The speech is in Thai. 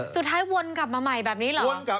สุดท้ายวนกลับมาใหม่แบบนี้เหรอ